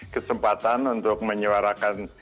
kesempatan untuk menyuarakan